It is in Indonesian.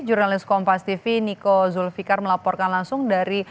jurnalis kompas tv niko zulfikar melaporkan langsung dari